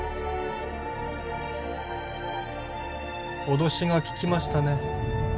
脅しが効きましたね